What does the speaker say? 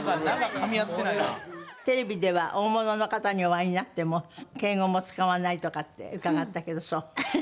テレビでは大物の方にお会いになっても敬語も使わないとかって伺ったけどそう？